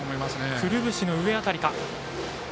くるぶしの上辺りか。